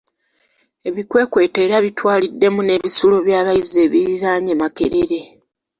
Ebikwekweto era bitwaliddemu n'ebisulo by'abayizi ebiriraanye Makerere.